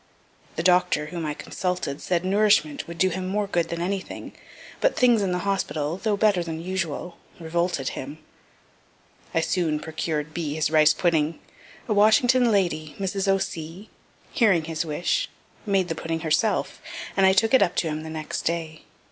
(The doctor, whom I consulted, said nourishment would do him more good than anything; but things in the hospital, though better than usual, revolted him.) I soon procured B. his rice pudding. A Washington lady, (Mrs. O'C.), hearing his wish, made the pudding herself, and I took it up to him the next day.